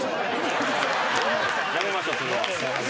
やめましょうそれは。